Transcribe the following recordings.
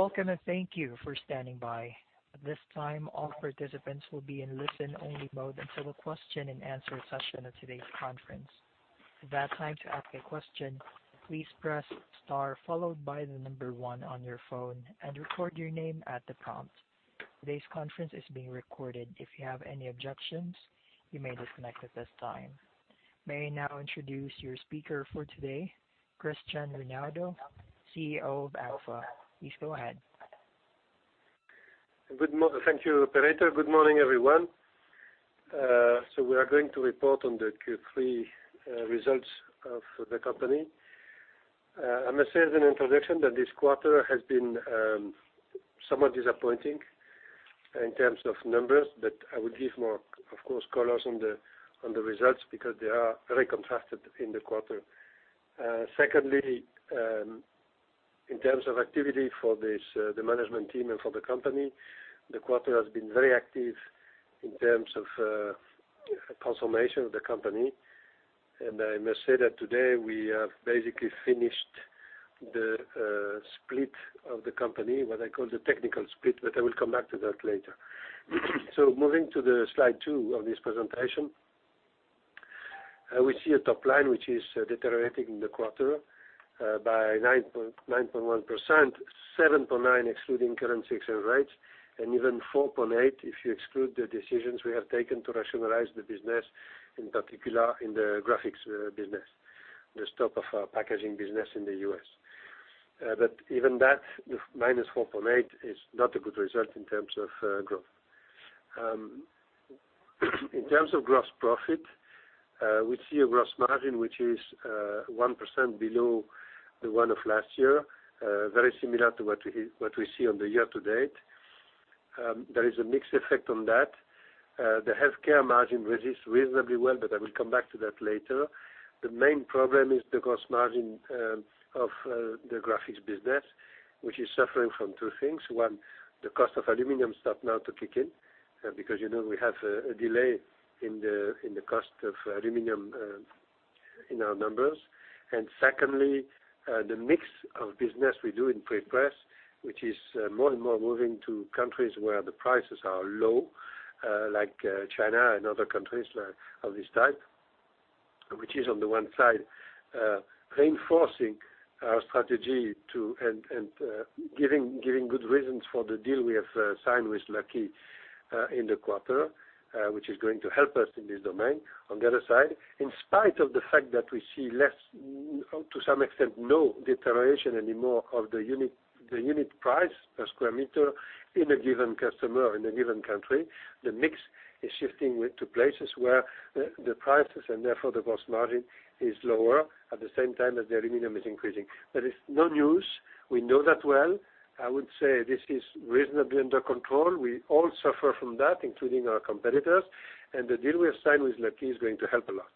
Welcome and thank you for standing by. At this time, all participants will be in listen-only mode until the question and answer session of today's conference. If it is that time to ask a question, please press star followed by number 1 on your phone and record your name at the prompt. Today's conference is being recorded. If you have any objections, you may disconnect at this time. May I now introduce your speaker for today, Christian Reinaudo, CEO of Agfa. Please go ahead. Thank you, operator. Good morning, everyone. We are going to report on the Q3 results of the company. I must say as an introduction that this quarter has been somewhat disappointing in terms of numbers, but I will give more, of course, colors on the results because they are very contrasted in the quarter. Secondly, in terms of activity for the management team and for the company, the quarter has been very active in terms of transformation of the company. I must say that today we have basically finished the split of the company, what I call the technical split, but I will come back to that later. Moving to slide two of this presentation. We see a top line which is deteriorating in the quarter by 9.1%, 7.9% excluding currency exchange rates, and even 4.8% if you exclude the decisions we have taken to rationalize the business, in particular in the graphics business, the stop of our packaging business in the U.S. Even that, the minus 4.8% is not a good result in terms of growth. In terms of gross profit, we see a gross margin which is 1% below the one of last year, very similar to what we see on the year-to-date. There is a mixed effect on that. The healthcare margin resists reasonably well, I will come back to that later. The main problem is the gross margin of the graphics business, which is suffering from two things. One, the cost of aluminum start now to kick in, because you know we have a delay in the cost of aluminum in our numbers. Secondly, the mix of business we do in prepress, which is more and more moving to countries where the prices are low, like China and other countries of this type, which is on the one side, reinforcing our strategy and giving good reasons for the deal we have signed with Lucky in the quarter, which is going to help us in this domain. On the other side, in spite of the fact that we see less, to some extent, no deterioration anymore of the unit price per square meter in a given customer or in a given country. The mix is shifting to places where the prices, and therefore the gross margin, is lower at the same time that the aluminum is increasing. That is no news. We know that well. I would say this is reasonably under control. We all suffer from that, including our competitors, and the deal we have signed with Lucky is going to help a lot.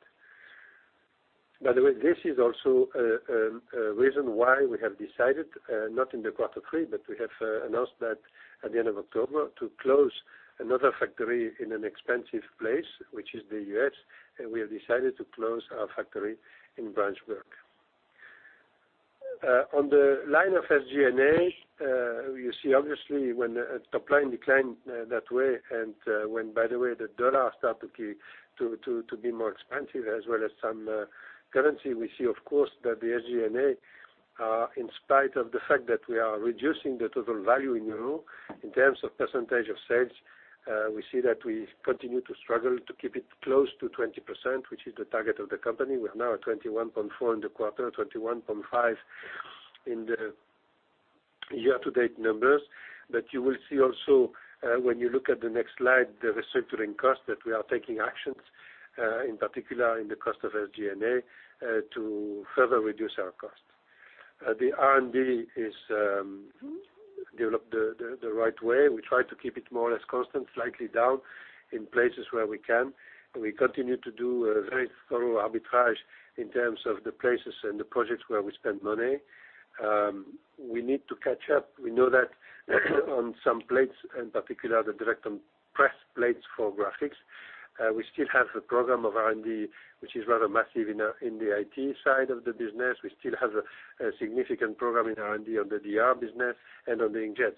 By the way, this is also a reason why we have decided, not in the quarter three, but we have announced that at the end of October, to close another factory in an expensive place, which is the U.S., and we have decided to close our factory in Branchburg. On the line of SG&A, you see obviously when a top line decline that way and when, by the way, the U.S. dollar start to be more expensive as well as some currency, we see, of course, that the SG&A, in spite of the fact that we are reducing the total value in euro, in terms of percentage of sales, we see that we continue to struggle to keep it close to 20%, which is the target of the company. We are now at 21.4% in the quarter, 21.5% in the year-to-date numbers. You will see also, when you look at the next slide, the restructuring cost that we are taking actions, in particular in the cost of SG&A, to further reduce our cost. The R&D is developed the right way. We try to keep it more or less constant, slightly down in places where we can. We continue to do a very thorough arbitrage in terms of the places and the projects where we spend money. We need to catch up. We know that on some plates, in particular the direct-on-press plates for graphics. We still have a program of R&D, which is rather massive in the IT side of the business. We still have a significant program in R&D on the DR business and on the inkjet.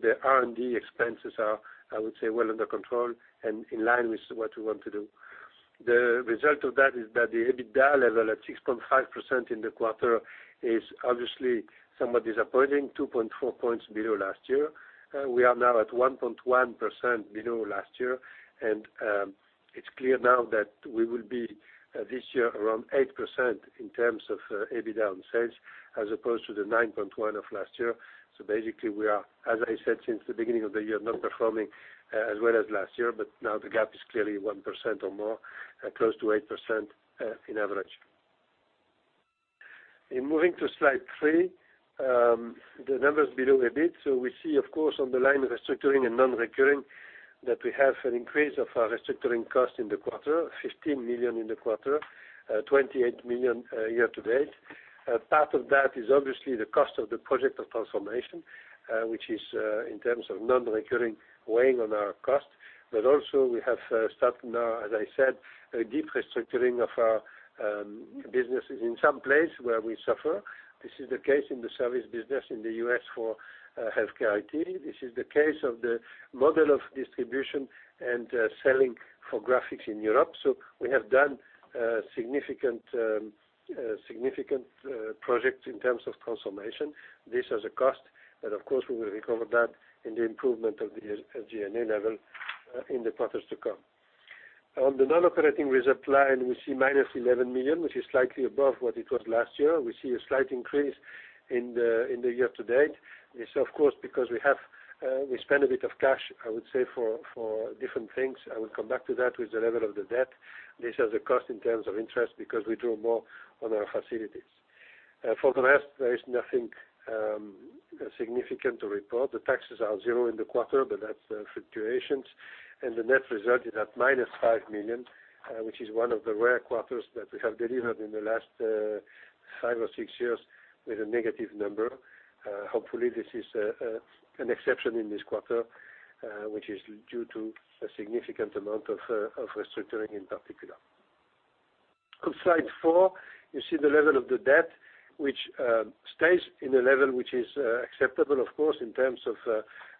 The R&D expenses are, I would say, well under control and in line with what we want to do. The result of that is that the EBITDA level at 6.5% in the quarter is obviously somewhat disappointing, 2.4 points below last year. We are now at 1.1% below last year. It's clear now that we will be, this year, around 8% in terms of EBITDA on sales as opposed to the 9.1% of last year. Basically, we are, as I said, since the beginning of the year, not performing as well as last year, but now the gap is clearly 1% or more, close to 8% in average. In moving to slide three, the numbers below a bit. We see, of course, on the line restructuring and non-recurring, that we have an increase of our restructuring cost in the quarter, 15 million in the quarter, 28 million year-to-date. Part of that is obviously the cost of the project of transformation, which is in terms of non-recurring weighing on our cost. We have started now, as I said, a deep restructuring of our businesses in some place where we suffer. This is the case in the service business in the U.S. for healthcare IT. This is the case of the model of distribution and selling for graphics in Europe. We have done significant projects in terms of transformation. This has a cost, but of course, we will recover that in the improvement of the G&A level in the quarters to come. On the non-operating result line, we see minus 11 million, which is slightly above what it was last year. We see a slight increase in the year-to-date. This, of course, because we spend a bit of cash, I would say, for different things. I will come back to that with the level of the debt. This has a cost in terms of interest because we draw more on our facilities. For the rest, there is nothing significant to report. The taxes are zero in the quarter, but that's the fluctuations, and the net result is at minus 5 million, which is one of the rare quarters that we have delivered in the last five or six years with a negative number. Hopefully, this is an exception in this quarter, which is due to a significant amount of restructuring in particular. On slide four, you see the level of the debt, which stays in a level which is acceptable, of course, in terms of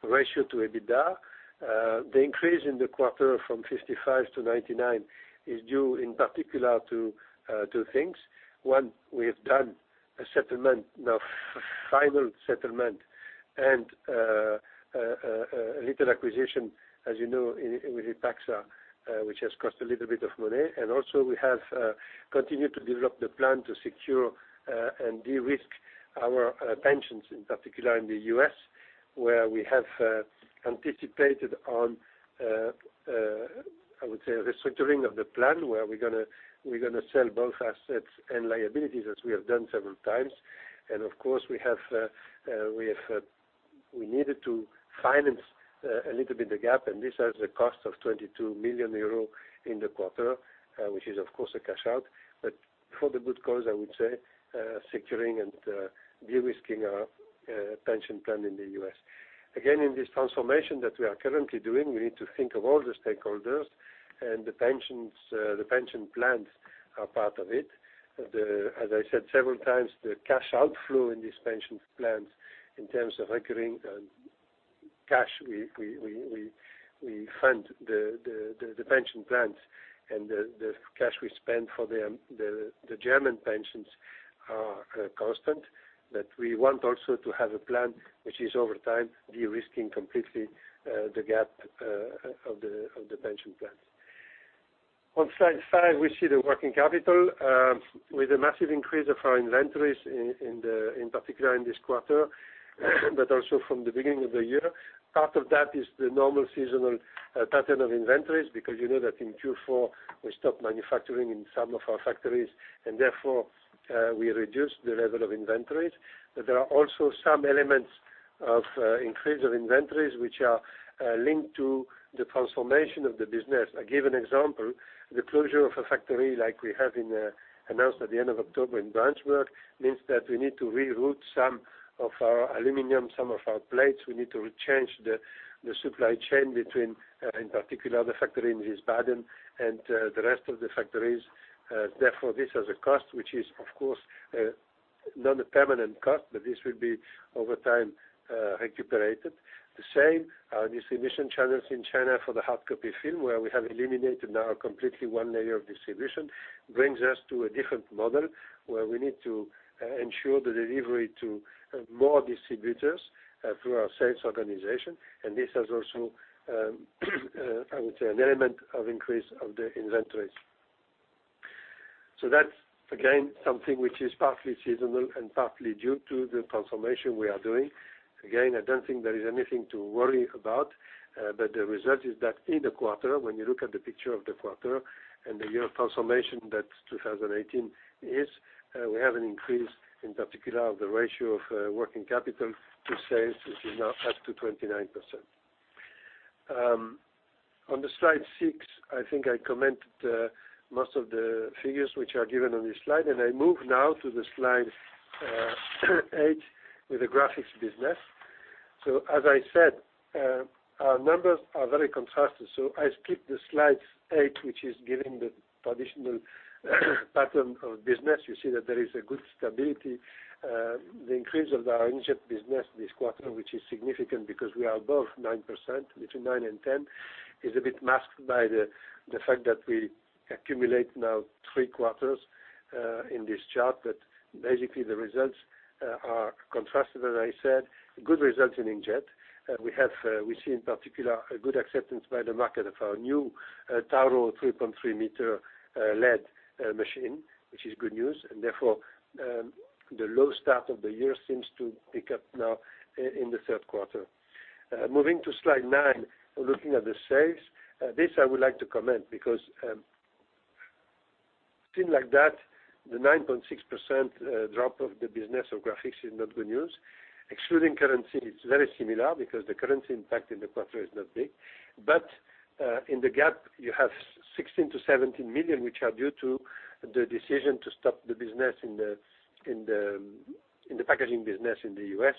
ratio to EBITDA. The increase in the quarter from 55 to 99 is due in particular to two things. One, we have done a settlement, now final settlement, and a little acquisition, as you know, with Ipagsa, which has cost a little bit of money. Also we have continued to develop the plan to secure and de-risk our pensions, in particular in the U.S., where we have anticipated on, I would say, the restructuring of the plan, where we're going to sell both assets and liabilities as we have done several times. Of course, we needed to finance a little bit the gap, and this has a cost of 22 million euro in the quarter, which is, of course, a cash out, but for the good cause, I would say, securing and de-risking our pension plan in the U.S. Again, in this transformation that we are currently doing, we need to think of all the stakeholders, and the pension plans are part of it. As I said several times, the cash outflow in these pension plans in terms of recurring cash, we fund the pension plans, and the cash we spend for the German pensions are constant. We want also to have a plan which is over time, de-risking completely the gap of the pension plans. On slide five, we see the working capital with a massive increase of our inventories in particular in this quarter, but also from the beginning of the year. Part of that is the normal seasonal pattern of inventories, because you know that in Q4, we stop manufacturing in some of our factories and therefore we reduce the level of inventories. There are also some elements of increase of inventories which are linked to the transformation of the business. I give an example. The closure of a factory like we have announced at the end of October in Branchburg, means that we need to reroute some of our aluminum, some of our plates. We need to rechange the supply chain between, in particular, the factory in Wiesbaden and the rest of the factories. This has a cost, which is, of course, not a permanent cost, but this will be over time recuperated. The same distribution channels in China for the hardcopy film, where we have eliminated now completely one layer of distribution, brings us to a different model where we need to ensure the delivery to more distributors through our sales organization. This has also, I would say, an element of increase of the inventories. That's, again, something which is partly seasonal and partly due to the transformation we are doing. I don't think there is anything to worry about, the result is that in the quarter, when you look at the picture of the quarter and the year of transformation that 2018 is, we have an increase, in particular of the ratio of working capital to sales, which is now up to 29%. On slide six, I think I commented most of the figures which are given on this slide, and I move now to slide eight with the graphics business. As I said, our numbers are very contrasted. I skip slide eight, which is giving the traditional pattern of business. You see that there is a good stability. The increase of our inkjet business this quarter, which is significant because we are above 9%, between 9 and 10, is a bit masked by the fact that we accumulate now three quarters in this chart. Basically, the results are contrasted, as I said. Good results in inkjet. We see in particular a good acceptance by the market of our new Tauro 3.3 meter LED machine, which is good news. Therefore, the low start of the year seems to pick up now in the third quarter. Moving to slide nine, looking at the sales. This I would like to comment, because seen like that, the 9.6% drop of the business of graphics is not good news. Excluding currency, it's very similar because the currency impact in the quarter is not big. In the gap, you have 16 million-17 million, which are due to the decision to stop the business in the packaging business in the U.S.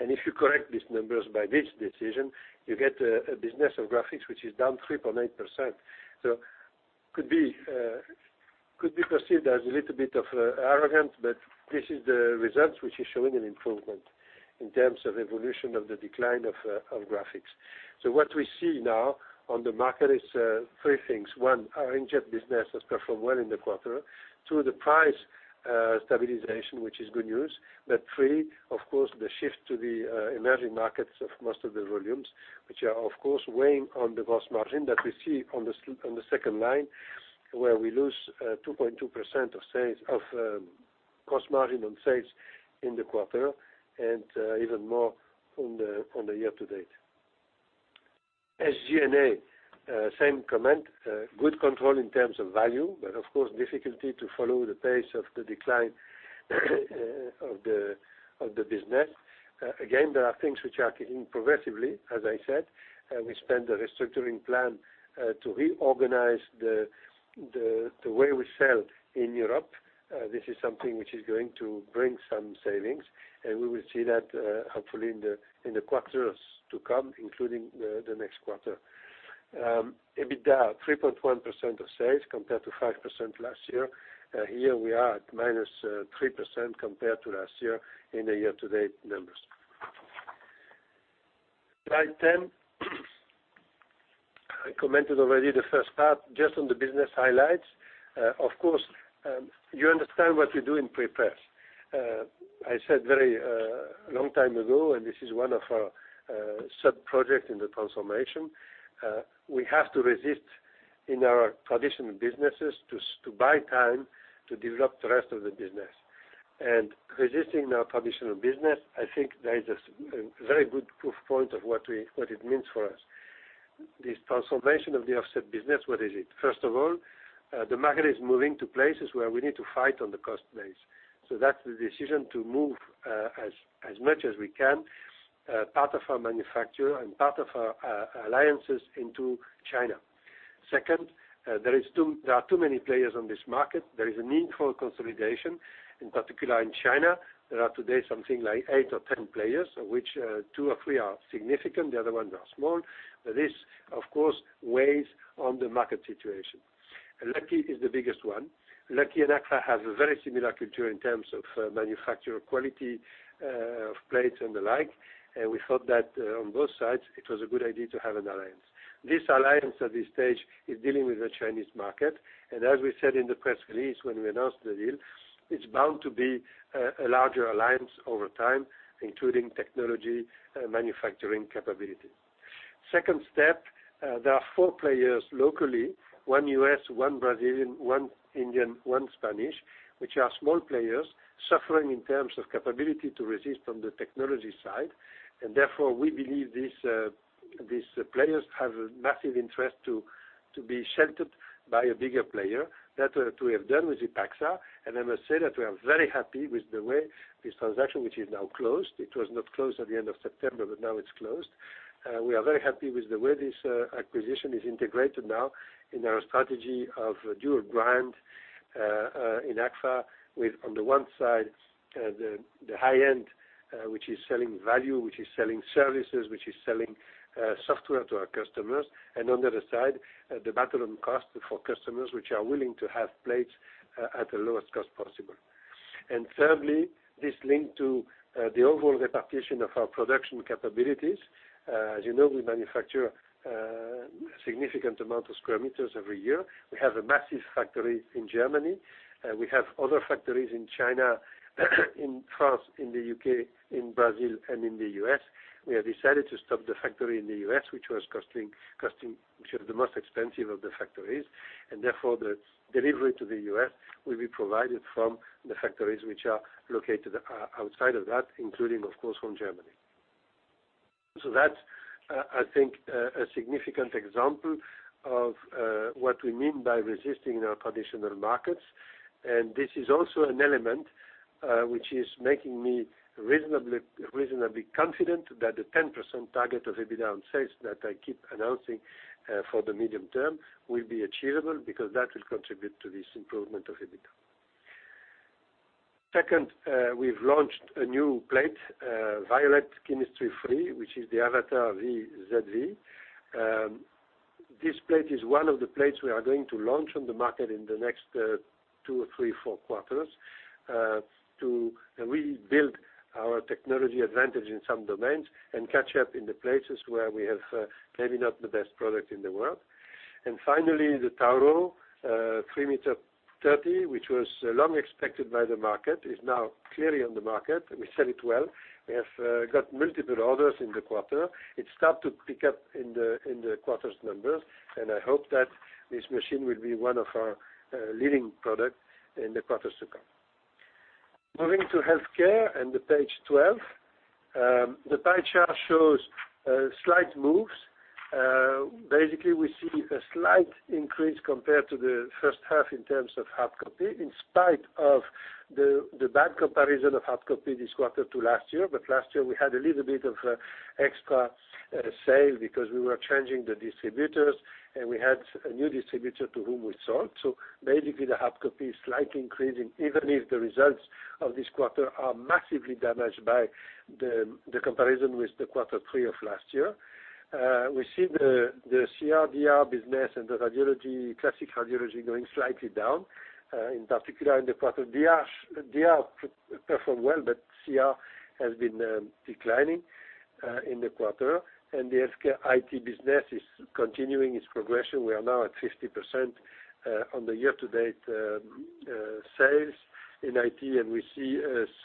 If you correct these numbers by this decision, you get a business of Graphics, which is down 3.8%. Could be perceived as a little bit of arrogant, this is the results, which is showing an improvement in terms of evolution of the decline of Graphics. What we see now on the market is three things. One, our Inkjet business has performed well in the quarter. Two, the price stabilization, which is good news. 3, of course, the shift to the emerging markets of most of the volumes, which are, of course, weighing on the gross margin that we see on the second line, where we lose 2.2% of cost margin on sales in the quarter, and even more on the year-to-date. SG&A, same comment, good control in terms of value, but of course, difficulty to follow the pace of the decline of the business. Again, there are things which are kicking progressively, as I said. We spend the restructuring plan to reorganize the way we sell in Europe. This is something which is going to bring some savings, and we will see that hopefully in the quarters to come, including the next quarter. EBITDA, 3.1% of sales compared to 5% last year. Here we are at -3% compared to last year in the year-to-date numbers. Slide 10. I commented already the first part just on the business highlights. Of course, you understand what we do in prepress. I said very long time ago, and this is one of our sub-project in the transformation. We have to resist in our traditional businesses to buy time to develop the rest of the business. Resisting our traditional business, I think there is a very good proof point of what it means for us. This transformation of the offset business, what is it? First of all, the market is moving to places where we need to fight on the cost base. That's the decision to move as much as we can, part of our manufacture and part of our alliances into China. Second, there are too many players on this market. There is a need for consolidation, in particular in China. There are today something like eight or 10 players, which two or three are significant, the other ones are small. This, of course, weighs on the market situation. Lucky is the biggest one. Lucky and Agfa have a very similar culture in terms of manufacture quality of plates and the like. We thought that on both sides, it was a good idea to have an alliance. This alliance at this stage is dealing with the Chinese market. As we said in the press release, when we announced the deal, it's bound to be a larger alliance over time, including technology, manufacturing capability. Second step, there are four players locally, one U.S., one Brazilian, one Indian, one Spanish, which are small players suffering in terms of capability to resist on the technology side. Therefore, we believe these players have a massive interest to be sheltered by a bigger player. That we have done with Ipagsa, I must say that we are very happy with the way this transaction, which is now closed. It was not closed at the end of September, but now it's closed. We are very happy with the way this acquisition is integrated now in our strategy of dual brand in Agfa, with on the one side, the high-end, which is selling value, which is selling services, which is selling software to our customers. On the other side, the battle on cost for customers, which are willing to have plates at the lowest cost possible. Thirdly, this link to the overall reputation of our production capabilities. As you know, we manufacture a significant amount of square meters every year. We have a massive factory in Germany. We have other factories in China, in France, in the U.K., in Brazil, and in the U.S. We have decided to stop the factory in the U.S., which was the most expensive of the factories, and therefore the delivery to the U.S. will be provided from the factories which are located outside of that, including, of course, from Germany. That, I think, a significant example of what we mean by resisting in our traditional markets. This is also an element which is making me reasonably confident that the 10% target of EBITDA on sales that I keep announcing for the medium term will be achievable because that will contribute to this improvement of EBITDA. Second, we've launched a new plate, Violet Chemistry Free, which is the Avatar ZV. This plate is one of the plates we are going to launch on the market in the next two or three, four quarters to rebuild our technology advantage in some domains and catch up in the places where we have maybe not the best product in the world. Finally, the Tauro 3 meter 30, which was long expected by the market, is now clearly on the market, and we sell it well. We have got multiple orders in the quarter. It start to pick up in the quarter's numbers, and I hope that this machine will be one of our leading product in the quarters to come. Moving to healthcare and the page 12. The pie chart shows slight moves. Basically, we see a slight increase compared to the first half in terms of hardcopy, in spite of the bad comparison of hardcopy this quarter to last year, but last year we had a little bit of extra sale because we were changing the distributors, and we had a new distributor to whom we sold. Basically, the hardcopy is slightly increasing, even if the results of this quarter are massively damaged by the comparison with the quarter three of last year. We see the CR/DR business and the classic radiology going slightly down. In particular, in the quarter, DR performed well, but CR has been declining in the quarter. The HealthCare IT business is continuing its progression. We are now at 50% on the year-to-date sales in IT. We see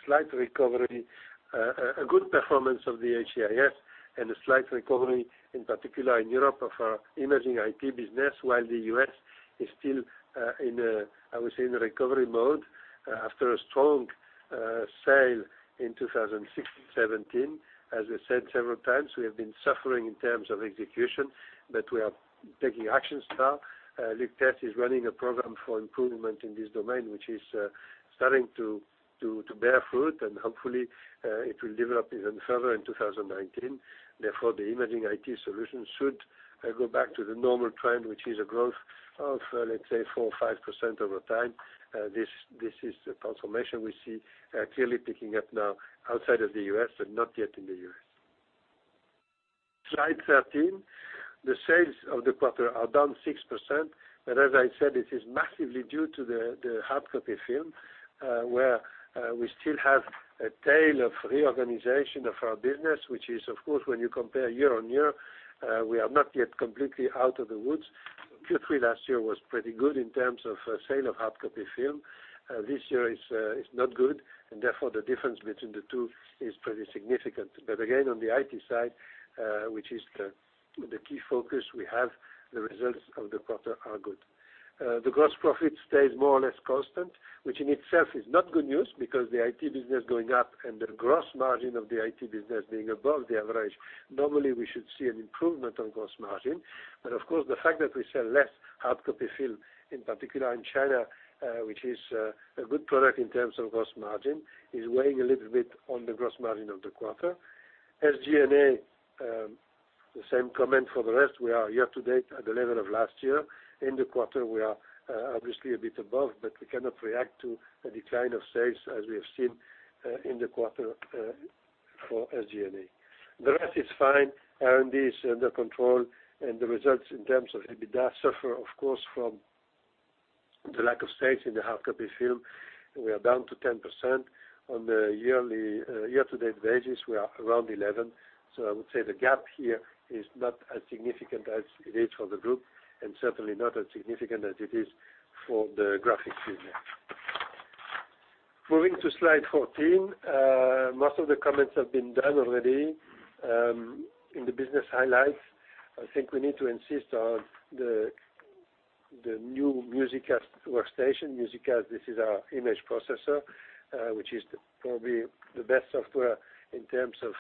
a good performance of the HIS and a slight recovery, in particular, in Europe of our imaging IT business, while the U.S. is still in a recovery mode after a strong sale in 2016, 2017. As I said several times, we have been suffering in terms of execution, but we are taking actions now. Luc Thijs is running a program for improvement in this domain, which is starting to bear fruit, and hopefully, it will develop even further in 2019. Therefore, the Imaging IT solution should go back to the normal trend, which is a growth of, let's say, 4% or 5% over time. This is the transformation we see clearly picking up now outside of the U.S., but not yet in the U.S. Slide 13. The sales of the quarter are down 6%. As I said, it is massively due to the hardcopy film, where we still have a tail of reorganization of our business, which is, of course, when you compare year-on-year, we are not yet completely out of the woods. Q3 last year was pretty good in terms of sale of hardcopy film. This year it's not good. Therefore, the difference between the two is pretty significant. Again, on the IT side, which is the key focus we have, the results of the quarter are good. The gross profit stays more or less constant, which in itself is not good news because the IT business going up and the gross margin of the IT business being above the average. Normally, we should see an improvement on gross margin. Of course, the fact that we sell less hardcopy film, in particular in China, which is a good product in terms of gross margin, is weighing a little bit on the gross margin of the quarter. SG&A, the same comment for the rest. We are year-to-date at the level of last year. In the quarter, we are obviously a bit above, but we cannot react to a decline of sales as we have seen in the quarter for SG&A. The rest is fine. R&D is under control, and the results in terms of EBITDA suffer, of course, from the lack of sales in the hardcopy film. We are down to 10%. On the year-to-date basis, we are around 11%. I would say the gap here is not as significant as it is for the group, and certainly not as significant as it is for the Graphics business. Moving to slide 14. Most of the comments have been done already in the business highlights. I think we need to insist on the new MUSICA workstation. MUSICA, this is our image processor, which is probably the best software in terms of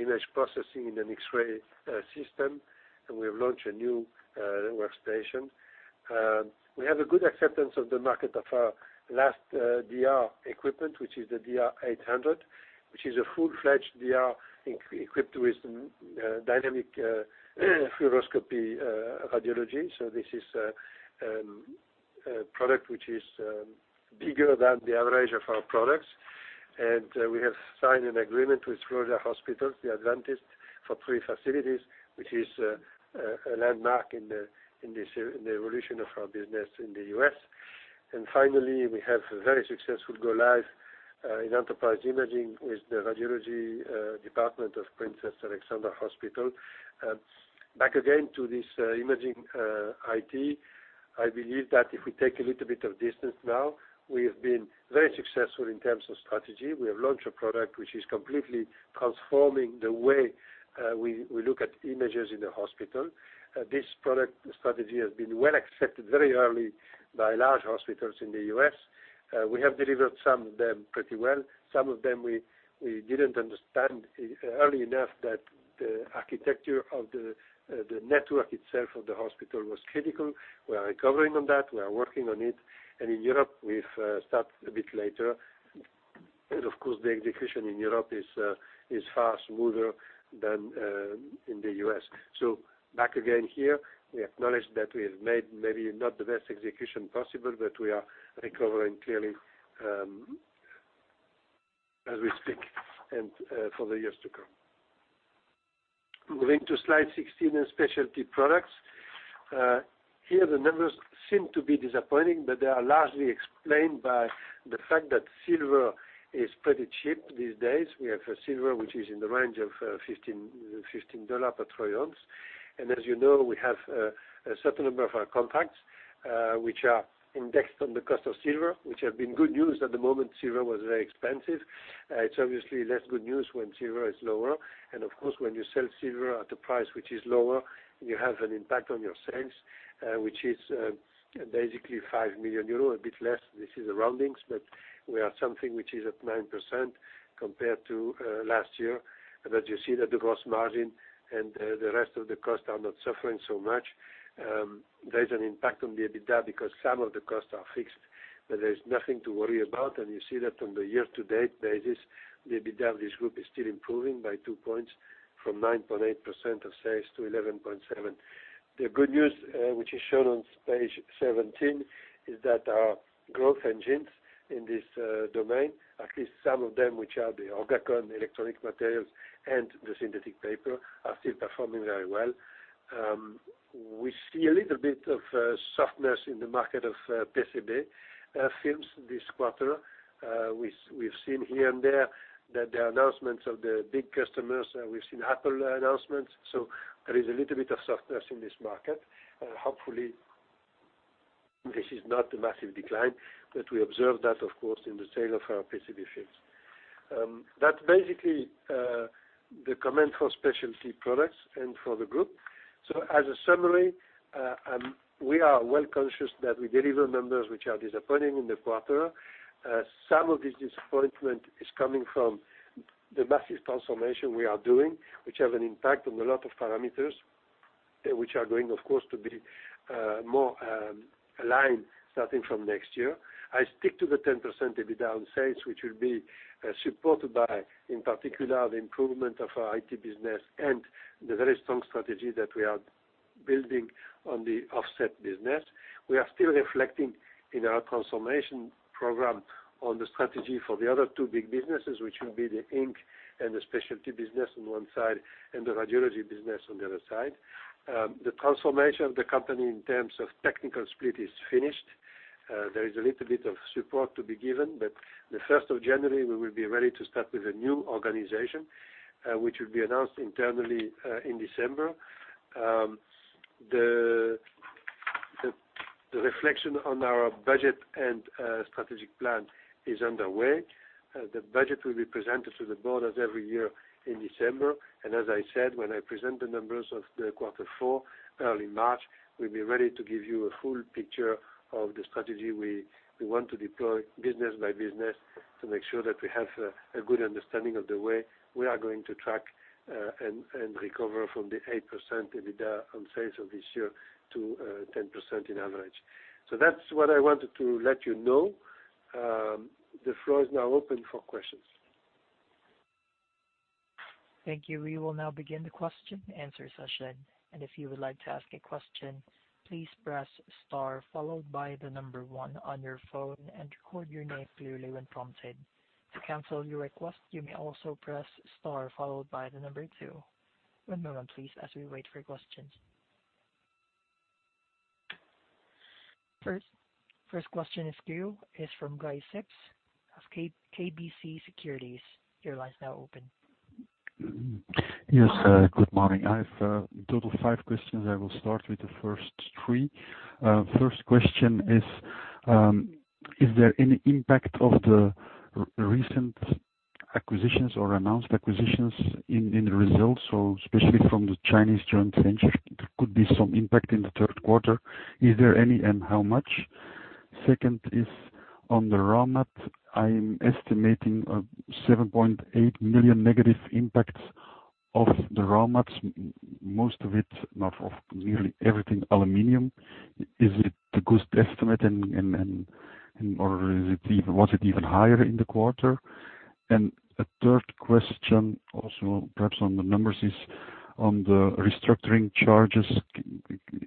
image processing in an X-ray system. We have launched a new workstation. We have a good acceptance of the market of our last DR equipment, which is the DR 800, which is a full-fledged DR equipped with dynamic fluoroscopy radiology. This is a product that is bigger than the average of our products. We have signed an agreement with Froedtert Hospital, AdventHealth, for three facilities, which is a landmark in the evolution of our business in the U.S. Finally, we have a very successful go live in Enterprise Imaging with the radiology department of Princess Alexandra Hospital. Back again to this imaging IT. I believe that if we take a little bit of distance now, we have been very successful in terms of strategy. We have launched a product that is completely transforming the way we look at images in the hospital. This product strategy has been well accepted very early by large hospitals in the U.S. We have delivered some of them pretty well. Some of them we didn't understand early enough that the architecture of the network itself of the hospital was critical. We are recovering on that. We are working on it. In Europe, we've started a bit later. Of course, the execution in Europe is far smoother than in the U.S. Back again here, we acknowledge that we have made maybe not the best execution possible, but we are recovering clearly as we speak and for the years to come. Moving to slide 16 in specialty products. Here, the numbers seem to be disappointing, but they are largely explained by the fact that silver is pretty cheap these days. We have silver, which is in the range of $15 per troy ounce. As you know, we have a certain number of our contracts, which are indexed on the cost of silver, which have been good news at the moment. Silver was very expensive. It is obviously less good news when silver is lower. Of course, when you sell silver at a price that is lower, you have an impact on your sales, which is basically 5 million euros, a bit less. This is the roundings, but we are something which is at 9% compared to last year. You see that the gross margin and the rest of the costs are not suffering so much. There is an impact on the EBITDA because some of the costs are fixed. There is nothing to worry about, you see that on the year-to-date basis, the EBITDA of this group is still improving by two points, from 9.8% of sales to 11.7%. The good news, which is shown on page 17, is that our growth engines in this domain, at least some of them, which are the ORGACON electronic materials and the synthetic paper, are still performing very well. We have seen a little bit of softness in the market of PCB films this quarter. We have seen here and there that there are announcements of the big customers. We have seen Apple announcements. There is a little bit of softness in this market. Hopefully, this is not a massive decline, but we observed that, of course, in the sale of our PCB films. That is basically the comment for specialty products and for the group. As a summary, we are well conscious that we deliver numbers which are disappointing in the quarter. Some of this disappointment is coming from the massive transformation we are doing, which has an impact on a lot of parameters, which are going, of course, to be more aligned starting from next year. I stick to the 10% EBITDA on sales, which will be supported by, in particular, the improvement of our IT business and the very strong strategy that we are building on the offset business. We are still reflecting in our transformation program on the strategy for the other two big businesses, which will be the ink and the specialty business on one side and the radiology business on the other side. The transformation of the company in terms of technical split is finished. There is a little bit of support to be given, the 1st of January, we will be ready to start with a new organization, which will be announced internally in December. The reflection on our budget and strategic plan is underway. The budget will be presented to the board as every year in December. As I said, when I present the numbers of the quarter four, early March, we will be ready to give you a full picture of the strategy we want to deploy business by business to make sure that we have a good understanding of the way we are going to track and recover from the 8% EBITDA on sales of this year to 10% in average. That is what I wanted to let you know. The floor is now open for questions. Thank you. We will now begin the question and answer session. If you would like to ask a question, please press star followed by the number one on your phone and record your name clearly when prompted. To cancel your request, you may also press star followed by the number two. One moment please, as we wait for questions. First question is queued. It's from Guy Sips of KBC Securities. Your line's now open. Yes, good morning. I have a total of five questions. I will start with the first three. First question is there any impact of the recent acquisitions or announced acquisitions in the results, so especially from the Chinese joint venture? There could be some impact in the third quarter. Is there any, and how much? Second is on the raw mat. I'm estimating a 7.8 million negative impact of the raw mats, most of it, not of nearly everything aluminum. Is it a good estimate and/or was it even higher in the quarter? A third question, also perhaps on the numbers, is on the restructuring charges.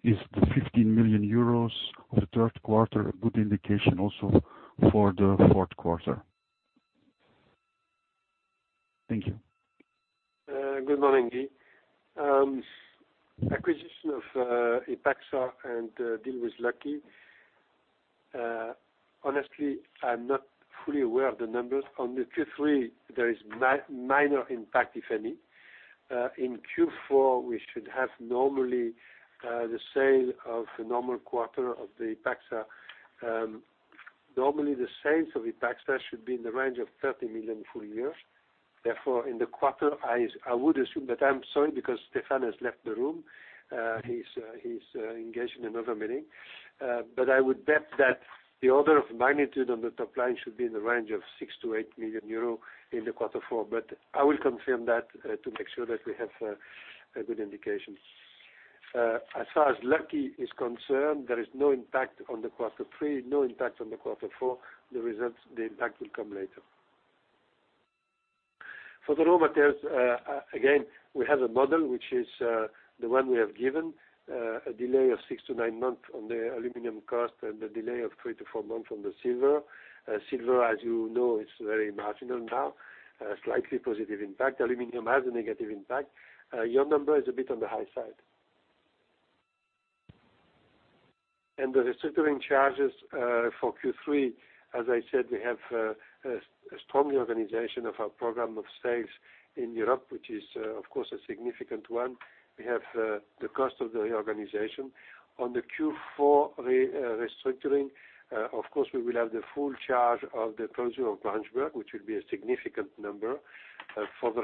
Is the 15 million euros of the third quarter a good indication also for the fourth quarter? Thank you. Good morning, Guy. Acquisition of Ipagsa and deal with Lucky, honestly, I'm not fully aware of the numbers. On the Q3, there is minor impact, if any. In Q4, we should have normally the sale of the normal quarter of the Ipagsa. Normally, the sales of Ipagsa should be in the range of 30 million full year. Therefore, in the quarter, I'm sorry because Stephane has left the room. He's engaged in another meeting. I would bet that the order of magnitude on the top line should be in the range of 6 million-8 million euro in the quarter four. I will confirm that to make sure that we have a good indication. As far as Lucky is concerned, there is no impact on the quarter three, no impact on the quarter four. The results, the impact will come later. For the raw materials, again, we have a model, which is the one we have given, a delay of 6-9 months on the aluminum cost and a delay of 3-4 months on the silver. Silver, as you know, is very marginal now. Slightly positive impact. Aluminum has a negative impact. Your number is a bit on the high side. The restructuring charges for Q3, as I said, we have a strong reorganization of our program of sales in Europe, which is, of course, a significant one. We have the cost of the reorganization. On the Q4 restructuring, of course, we will have the full charge of the closure of Branchburg, which will be a significant number. For the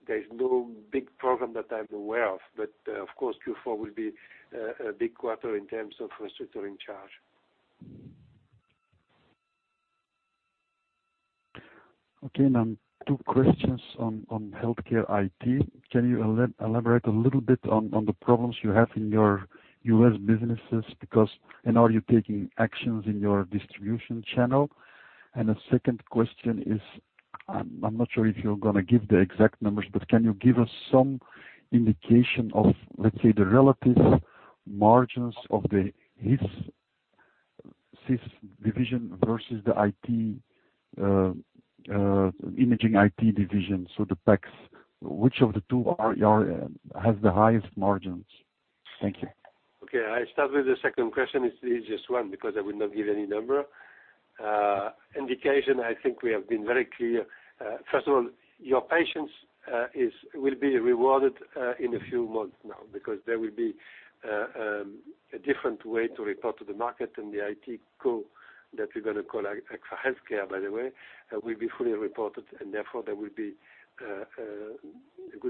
rest, there's no big program that I'm aware of. Of course, Q4 will be a big quarter in terms of restructuring charge. Now two questions on healthcare IT. Can you elaborate a little bit on the problems you have in your U.S. businesses, and are you taking actions in your distribution channel? The second question is, I'm not sure if you're going to give the exact numbers, but can you give us some indication of, let's say, the relative margins of the HIS, CIS division versus the imaging IT division, so the PACS. Which of the two has the highest margins? Thank you. I start with the second question. It's the easiest one because I will not give any number. Indication, I think we have been very clear. First of all, your patience will be rewarded in a few months now, because there will be a different way to report to the market and the IT co that we're going to call Agfa HealthCare, by the way, will be fully reported and therefore there will be a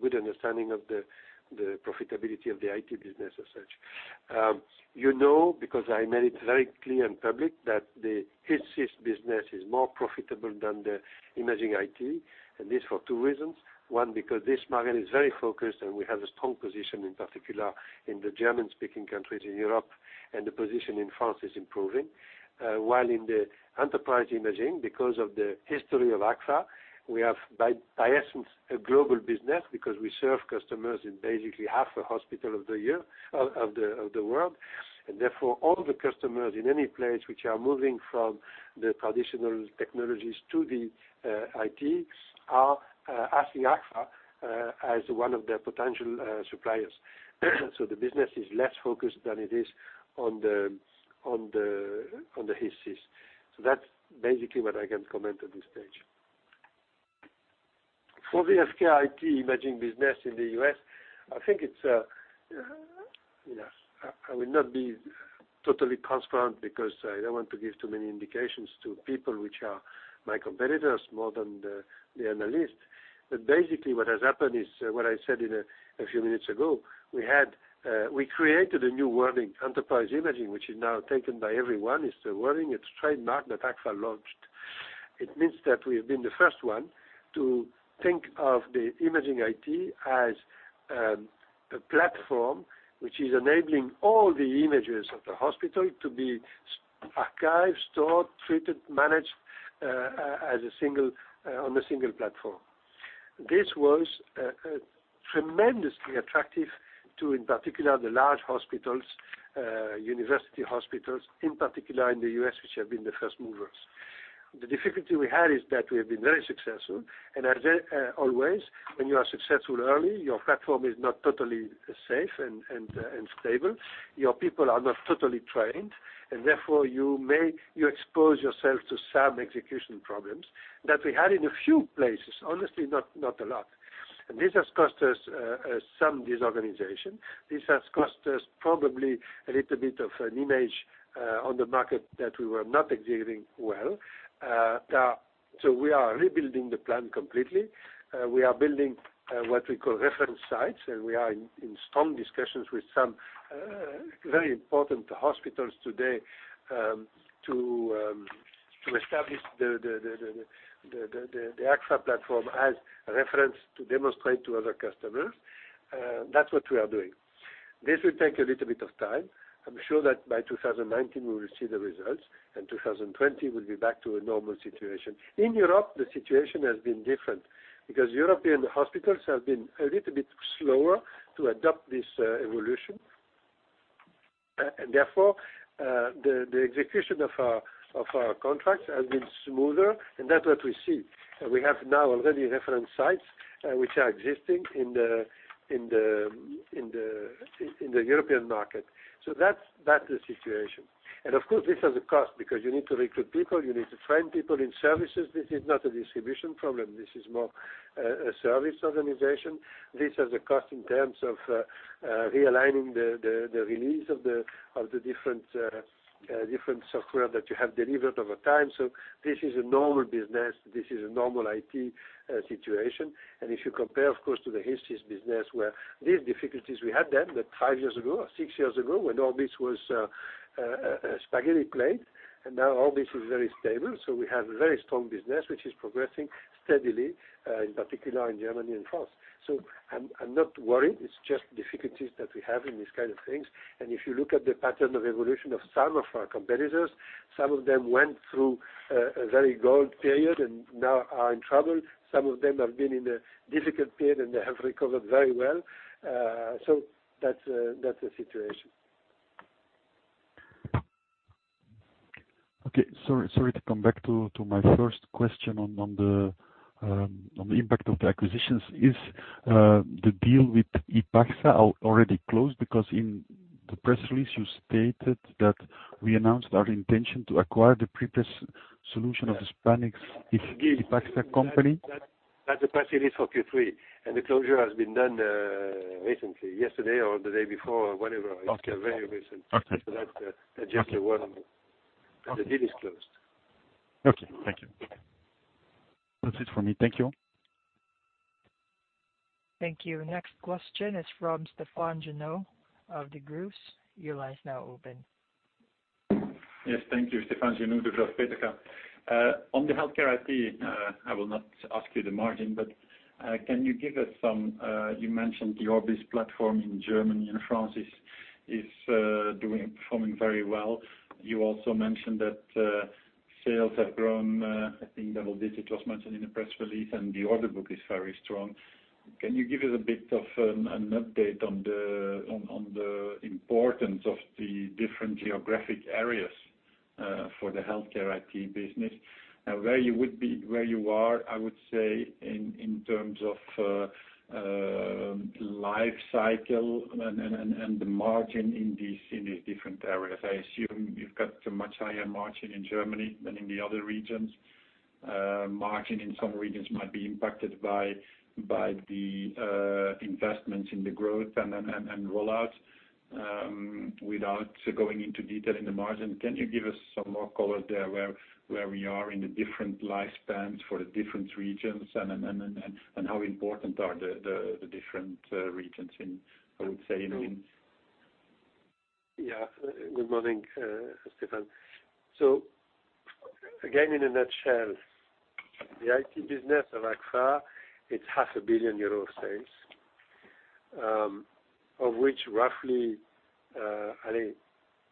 good understanding of the profitability of the IT business as such. You know, because I made it very clear and public, that the HIS, CIS business is more profitable than the imaging IT, and this for two reasons. One, because this margin is very focused and we have a strong position in particular in the German-speaking countries in Europe, and the position in France is improving. While in the Enterprise Imaging, because of the history of Agfa, we have by essence a global business because we serve customers in basically half the hospital of the world. Therefore, all the customers in any place which are moving from the traditional technologies to the IT are asking Agfa as one of their potential suppliers. The business is less focused than it is on the HIS, CIS. That's basically what I can comment on this stage. For the healthcare IT imaging business in the U.S., I will not be totally transparent because I don't want to give too many indications to people which are my competitors more than the analysts. Basically what has happened is what I said a few minutes ago. We created a new wording, Enterprise Imaging, which is now taken by everyone. It's a wording, it's a trademark that Agfa launched. It means that we have been the first one to think of the imaging IT as a platform which is enabling all the images of the hospital to be archived, stored, treated, managed on a single platform. This was tremendously attractive to, in particular, the large hospitals, university hospitals, in particular in the U.S., which have been the first movers. The difficulty we had is that we have been very successful, and as always, when you are successful early, your platform is not totally safe and stable. Your people are not totally trained, and therefore you expose yourself to some execution problems that we had in a few places, honestly, not a lot. This has cost us some disorganization. This has cost us probably a little bit of an image on the market that we were not executing well. We are rebuilding the plan completely. We are building what we call reference sites, we are in strong discussions with some very important hospitals today to establish the Agfa platform as a reference to demonstrate to other customers. That's what we are doing. This will take a little bit of time. I'm sure that by 2019 we will see the results, 2020 will be back to a normal situation. In Europe, the situation has been different because European hospitals have been a little bit slower to adopt this evolution. Therefore, the execution of our contracts has been smoother, that's what we see. We have now already reference sites which are existing in the European market. That's the situation. Of course, this has a cost because you need to recruit people, you need to train people in services. This is not a distribution problem. This is more a service organization. This has a cost in terms of realigning the release of the different software that you have delivered over time. This is a normal business. This is a normal IT situation. If you compare, of course, to the HIS, CIS business, where these difficulties we had then, but 5 years ago or 6 years ago, when ORBIS was a spaghetti plate, now ORBIS is very stable. We have a very strong business, which is progressing steadily, in particular in Germany and France. I'm not worried. It's just difficulties that we have in these kind of things. If you look at the pattern of evolution of some of our competitors, some of them went through a very gold period now are in trouble. Some of them have been in a difficult period, they have recovered very well. That's the situation. Okay. Sorry to come back to my first question on the impact of the acquisitions. Is the deal with Ipagsa already closed? Because in the press release, you stated that we announced our intention to acquire the prepress solution of the Spanish Ipagsa company. That's the press release for Q3. The closure has been done recently, yesterday or the day before or whenever. Okay. It's very recent. Okay. That's just the one. The deal is closed. Okay. Thank you. That's it for me. Thank you. Thank you. Next question is from Guy Sips of Degroof. Your line is now open. Yes. Thank you. Guy Sips, Degroof Petercam. On the HealthCare IT, I will not ask you the margin, but can you give us some, you mentioned the ORBIS platform in Germany and France is performing very well. You also mentioned that sales have grown, I think double-digits was mentioned in the press release, and the order book is very strong. Can you give us a bit of an update on the importance of the different geographic areas for the HealthCare IT business? And where you are, I would say, in terms of lifecycle and the margin in these different areas. I assume you have got a much higher margin in Germany than in the other regions. Margin in some regions might be impacted by the investments in the growth and rollout. Without going into detail in the margin, can you give us some more color there where we are in the different lifecycles for the different regions and how important are the different regions in. Good morning, Guy Sips. Again, in a nutshell, the IT business of Agfa, it is half a billion EUR of sales. Of which roughly, I think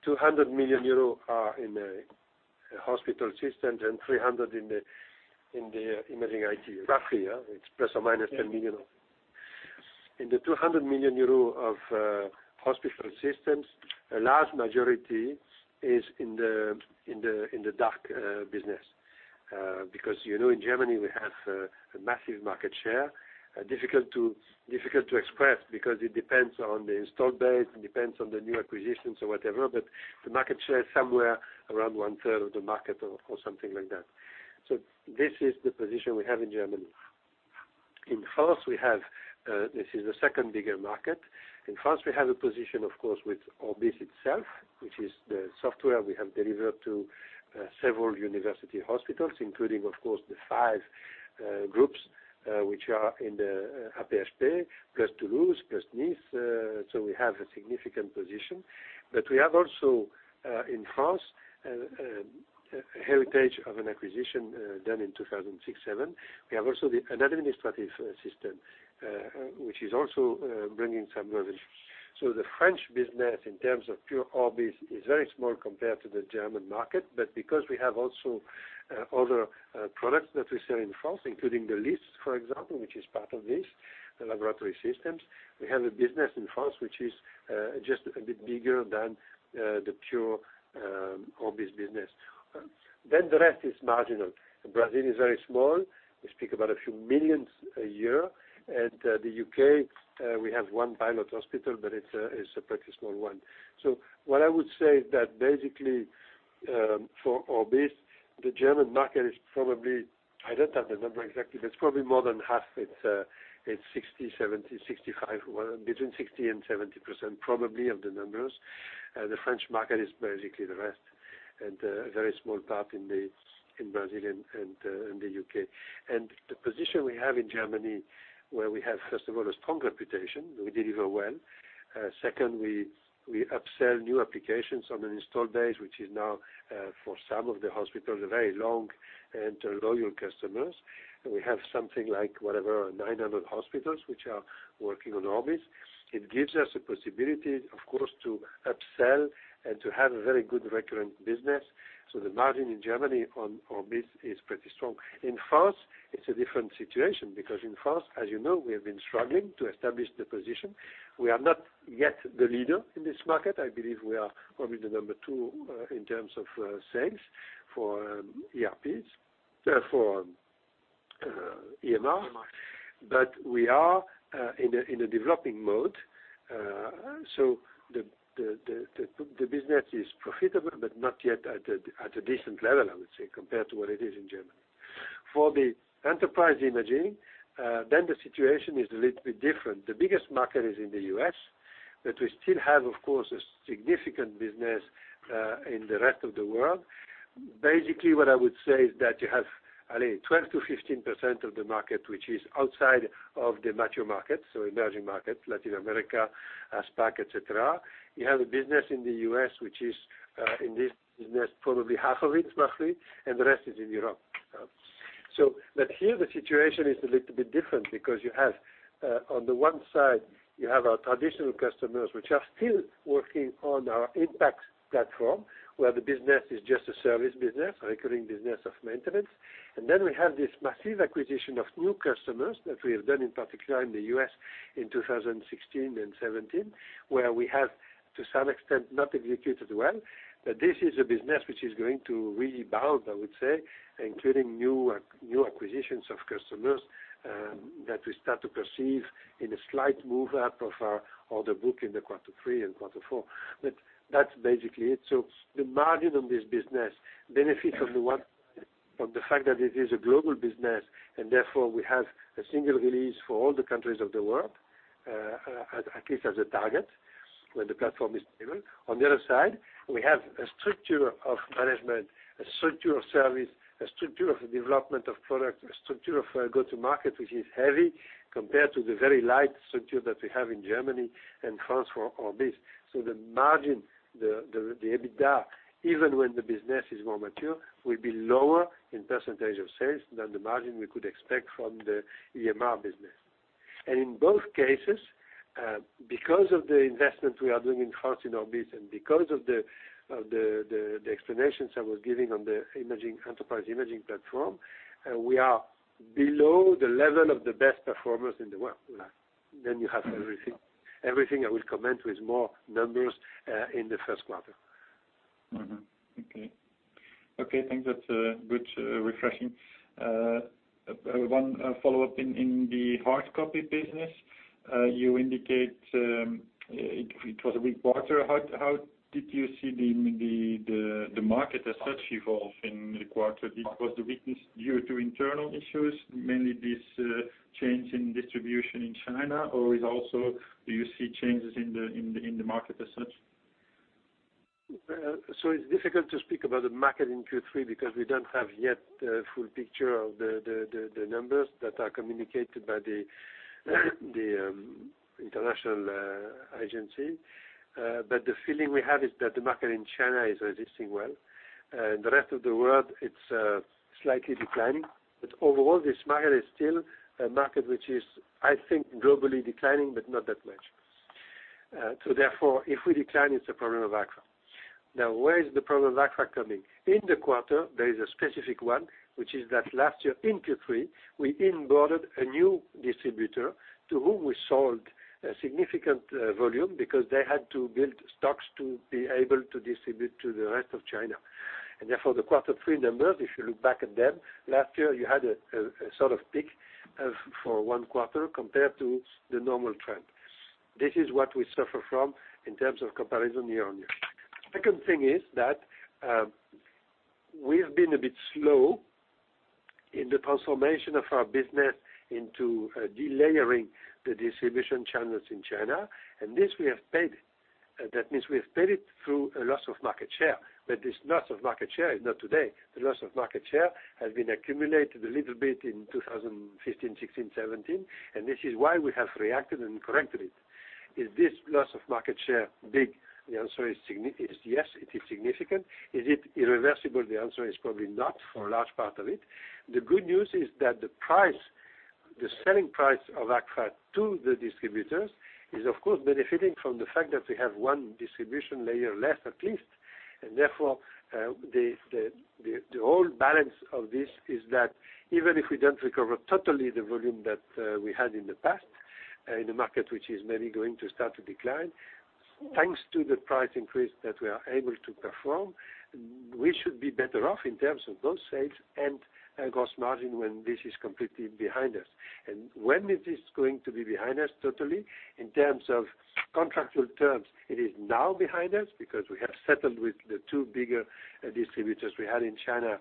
200 million euro are in the hospital systems and 300 million in the Imaging IT, roughly. It is plus or minus 10 million. In the 200 million euro of hospital systems, a large majority is in the DACH business. You know, in Germany we have a massive market share. Difficult to express because it depends on the install base, it depends on the new acquisitions or whatever, but the market share is somewhere around 1/3 of the market or something like that. This is the position we have in Germany. In France, this is the second bigger market. In France, we have a position, of course, with ORBIS itself, which is the software we have delivered to several university hospitals, including, of course, the five groups, which are in the AP-HP, plus Toulouse, plus Nice. We have a significant position. We have also in France, a heritage of an acquisition done in 2006, 2007. We have also an administrative system, which is also bringing some revenue. The French business in terms of pure ORBIS is very small compared to the German market. Because we have also other products that we sell in France, including the LIS, for example, which is part of this, the laboratory systems. We have a business in France which is just a bit bigger than the pure ORBIS business. The rest is marginal. Brazil is very small. We speak about a few million a year. The U.K., we have one pilot hospital, it's a pretty small one. What I would say is that basically, for ORBIS, the German market is probably I don't have the number exactly, but it's probably more than half. It's 60, 70, 65. Between 60% and 70% probably of the numbers. The French market is basically the rest, and a very small part in Brazil and the U.K. The position we have in Germany, where we have, first of all, a strong reputation. We deliver well. Second, we upsell new applications on an install base, which is now for some of the hospitals, very long and loyal customers. We have something like whatever, 900 hospitals, which are working on ORBIS. It gives us a possibility, of course, to upsell and to have a very good recurrent business. The margin in Germany on ORBIS is pretty strong. In France, it's a different situation, because in France, as you know, we have been struggling to establish the position. We are not yet the leader in this market. I believe we are probably the number two in terms of sales for EMR. We are in a developing mode. The business is profitable, but not yet at a decent level, I would say, compared to what it is in Germany. For the Enterprise Imaging, the situation is a little bit different. The biggest market is in the U.S., but we still have, of course, a significant business in the rest of the world. What I would say is that you have 12%-15% of the market, which is outside of the mature market, so emerging markets, Latin America, APAC, et cetera. You have a business in the U.S., which is in this business, probably half of it, roughly, and the rest is in Europe. Here the situation is a little bit different because you have, on the one side, you have our traditional customers which are still working on our IMPAX platform, where the business is just a service business, a recurring business of maintenance. We have this massive acquisition of new customers that we have done, in particular in the U.S. in 2016 and 2017, where we have, to some extent, not executed well. This is a business which is going to really bounce, I would say, including new acquisitions of customers that we start to perceive in a slight move up of our order book in the quarter 3 and quarter 4. That's basically it. The margin on this business benefits from the fact that it is a global business and therefore we have a single release for all the countries of the world. At least as a target when the platform is stable. On the other side, we have a structure of management, a structure of service, a structure of development of product, a structure of go-to-market, which is heavy compared to the very light structure that we have in Germany and France for our base. The margin, the EBITDA, even when the business is more mature, will be lower in percentage of sales than the margin we could expect from the EMR business. In both cases, because of the investment we are doing in France in our base and because of the explanations I was giving on the Enterprise Imaging platform, we are below the level of the best performers in the world. You have everything. Everything I will comment with more numbers in the first quarter. Okay. I think that's a good refreshing. One follow-up in the hardcopy business. You indicate it was a weak quarter. How did you see the market as such evolve in the quarter? Was the weakness due to internal issues, mainly this change in distribution in China? Or do you see changes in the market as such? It's difficult to speak about the market in Q3 because we don't have yet the full picture of the numbers that are communicated by the international agency. The feeling we have is that the market in China is resisting well. The rest of the world, it's slightly declining. Overall, this market is still a market which is, I think, globally declining, but not that much. Therefore, if we decline, it's a problem of Agfa. Where is the problem of Agfa coming? In the quarter, there is a specific one, which is that last year in Q3, we onboarded a new distributor to whom we sold a significant volume because they had to build stocks to be able to distribute to the rest of China. Therefore, the quarter 3 numbers, if you look back at them, last year, you had a sort of peak for one quarter compared to the normal trend. This is what we suffer from in terms of comparison year-over-year. Second thing is that we have been a bit slow in the transformation of our business into delayering the distribution channels in China, this we have paid. That means we have paid it through a loss of market share. This loss of market share is not today. The loss of market share has been accumulated a little bit in 2015, 2016, 2017, this is why we have reacted and corrected it. Is this loss of market share big? The answer is yes, it is significant. Is it irreversible? The answer is probably not for a large part of it. The good news is that the selling price of Agfa to the distributors is, of course, benefiting from the fact that we have one distribution layer less, at least. Therefore, the whole balance of this is that even if we don't recover totally the volume that we had in the past in a market which is maybe going to start to decline, thanks to the price increase that we are able to perform, we should be better off in terms of both sales and gross margin when this is completely behind us. When is this going to be behind us totally? In terms of contractual terms, it is now behind us because we have settled with the two bigger distributors we had in China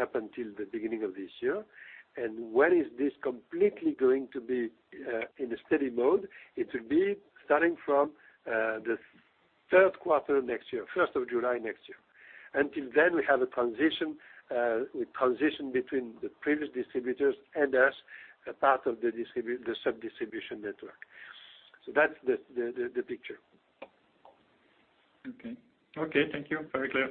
up until the beginning of this year. When is this completely going to be in a steady mode? It will be starting from the third quarter next year, 1st of July next year. Until then, we have a transition between the previous distributors and us, a part of the sub-distribution network. That's the picture. Okay. Thank you. Very clear.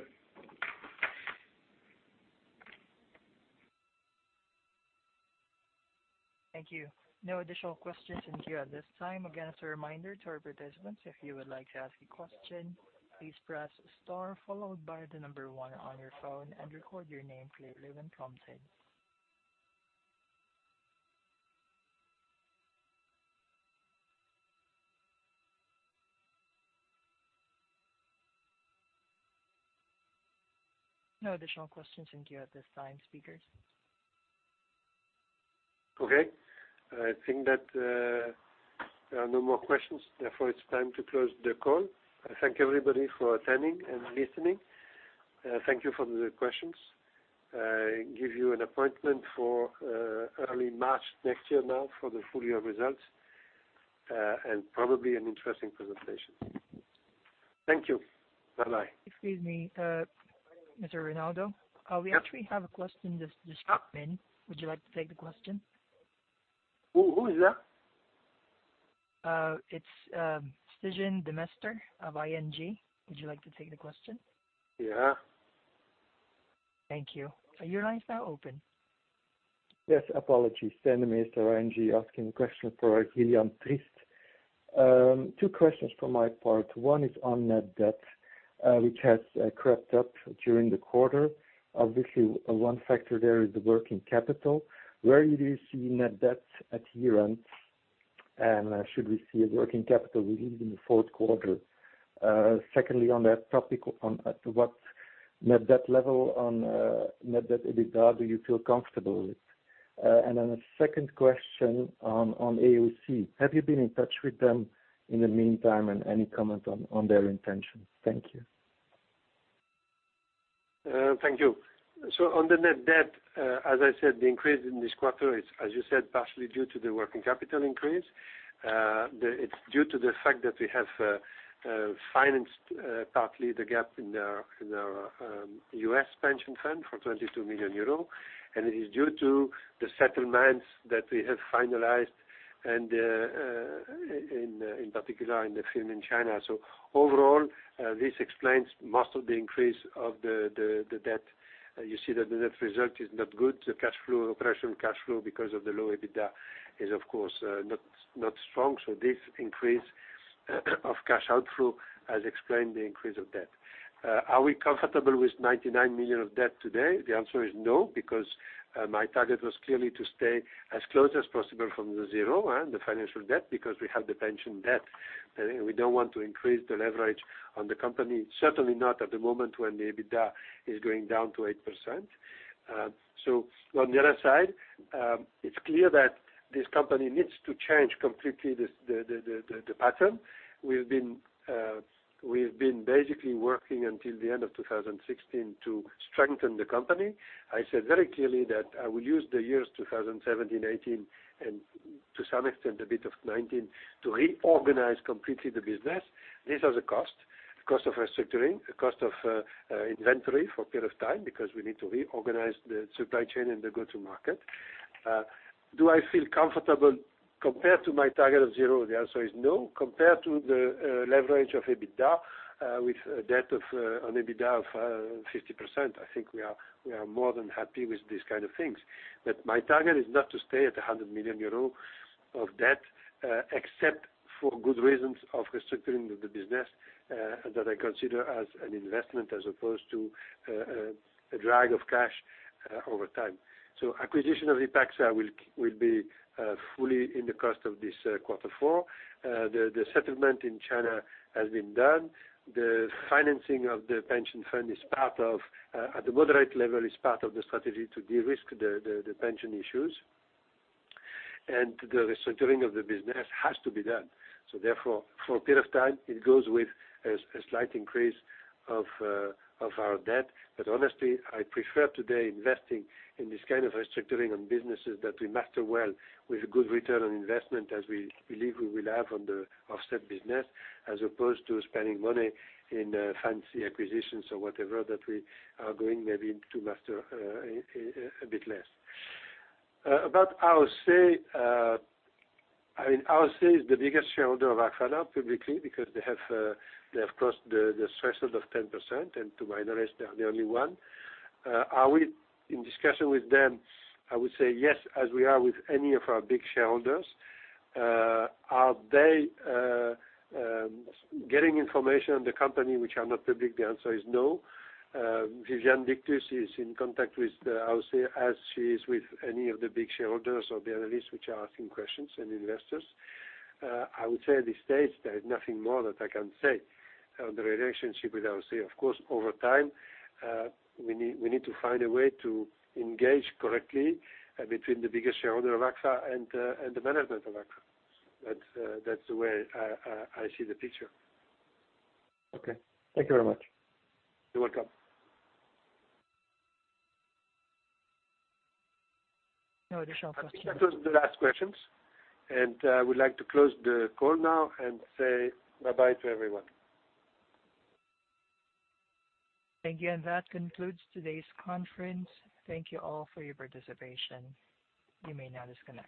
Thank you. No additional questions in queue at this time. As a reminder to our participants, if you would like to ask a question, please press star followed by the number 1 on your phone and record your name clearly when prompted. No additional questions in queue at this time, speakers. Okay. I think that there are no more questions. Therefore, it's time to close the call. I thank everybody for attending and listening. Thank you for the questions. I give you an appointment for early March next year now for the full year results, and probably an interesting presentation. Thank you. Bye-bye. Excuse me, Mr. Reinaudo. Yep. We actually have a question just dropped in. Would you like to take the question? Who is that? It's Stijn Demeester of ING. Would you like to take the question? Yeah. Thank you. Your line is now open. Yes, apologies. Stijn Demeester, ING, asking a question for Gillian Trist. Two questions for my part. One is on net debt, which has crept up during the quarter. Obviously, one factor there is the working capital. Where do you see net debt at year-end? Should we see a working capital release in the fourth quarter? On that topic, at what net debt level on net debt EBITDA do you feel comfortable with? Then a second question on AOC. Have you been in touch with them in the meantime, and any comment on their intentions? Thank you. Thank you. On the net debt, as I said, the increase in this quarter is, as you said, partially due to the working capital increase. It's due to the fact that we have financed partly the gap in our U.S. pension fund for 22 million euros, and it is due to the settlements that we have finalized and in particular in the film in China. Overall, this explains most of the increase of the debt. You see that the net result is not good. The cash flow, operational cash flow because of the low EBITDA is, of course, not strong. This increase of cash outflow has explained the increase of debt. Are we comfortable with 99 million of debt today? The answer is no, because my target was clearly to stay as close as possible from the zero and the financial debt because we have the pension debt, and we don't want to increase the leverage on the company, certainly not at the moment when the EBITDA is going down to 8%. On the other side, it's clear that this company needs to change completely the pattern. We've been basically working until the end of 2016 to strengthen the company. I said very clearly that I will use the years 2017, 2018, and to some extent, a bit of 2019 to reorganize completely the business. These are the costs, cost of restructuring, the cost of inventory for a period of time because we need to reorganize the supply chain and the go-to-market. Do I feel comfortable compared to my target of zero? The answer is no. Compared to the leverage of EBITDA with debt of an EBITDA of 50%, I think we are more than happy with these kind of things. My target is not to stay at 100 million euro of debt except for good reasons of restructuring the business that I consider as an investment as opposed to a drag of cash over time. Acquisition of Ipagsa will be fully in the cost of this quarter four. The settlement in China has been done. The financing of the pension fund, at the moderate level, is part of the strategy to de-risk the pension issues. The restructuring of the business has to be done. Therefore, for a period of time, it goes with a slight increase of our debt. Honestly, I prefer today investing in this kind of restructuring on businesses that we master well with a good return on investment as we believe we will have on the offset business as opposed to spending money in fancy acquisitions or whatever that we are going maybe to master a bit less. About AOC is the biggest shareholder of Agfa publicly because they have crossed the threshold of 10%, and to my knowledge, they are the only one. Are we in discussion with them? I would say yes, as we are with any of our big shareholders. Are they getting information on the company which are not public? The answer is no. Viviane Dictus is in contact with AOC as she is with any of the big shareholders or the analysts which are asking questions and investors. I would say at this stage, there is nothing more that I can say on the relationship with AOC. Of course, over time, we need to find a way to engage correctly between the biggest shareholder of Agfa and the management of Agfa. That's the way I see the picture. Okay. Thank you very much. You're welcome. No additional questions. I think that was the last questions, I would like to close the call now and say bye-bye to everyone. Thank you. That concludes today's conference. Thank you all for your participation. You may now disconnect.